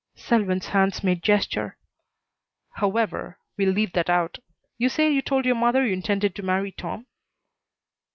Selwyn's hands made gesture. "However, we'll leave that out. You say you told your mother you intended to marry Tom?"